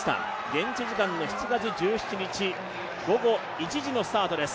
現地時間の７月１７日午後１時のスタートです。